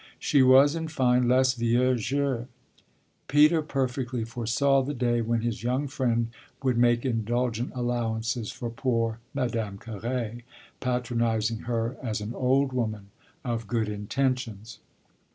She was in fine less "vieux jeu." Peter perfectly foresaw the day when his young friend would make indulgent allowances for poor Madame Carré, patronising her as an old woman of good intentions.